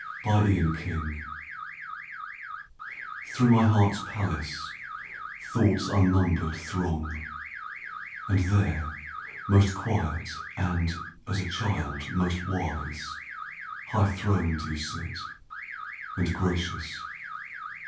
Day and Night Through my heart's palace Thoughts unnumbered throng; And there, most quiet and, as a child, most wise, High throned you sit, and gracious.